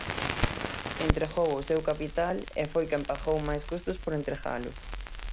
Entregou o seu capital e foi quen pagou máis custos por entregalo.